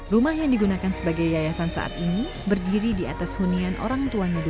rumah yang digunakan sebagai yayasan saat ini berdiri di atas hunian orang tuanya dulu